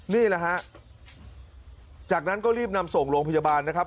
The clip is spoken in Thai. นี่แหละฮะจากนั้นก็รีบนำส่งโรงพยาบาลนะครับ